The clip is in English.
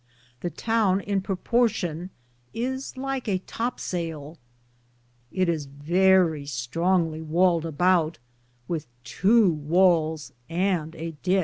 The towne in proportion is Lyke a top sayle. It is verrie strongly waled about with tow wales and a dich.